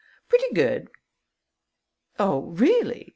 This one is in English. "Pretty good." "Oh, really?